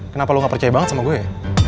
kenapa lo gak percaya banget sama gue ya